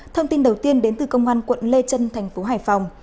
thông tin đầu tiên đến từ công an quận lê trân thành phố hải phòng